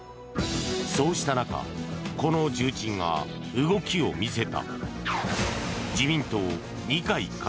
そうした中この重鎮が動きを見せた。